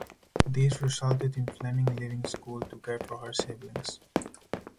This resulted in Fleming leaving school to care for her siblings.